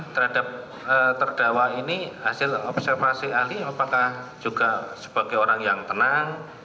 terhadap terdakwa ini hasil observasi ahli apakah juga sebagai orang yang tenang